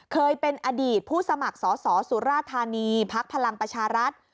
เคยเป็นอดีตผู้สมัครสอสสสุรธารณีพรรณประชารัฐ